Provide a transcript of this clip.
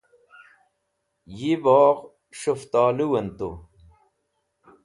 yi bogh s̃huftowlu'en tu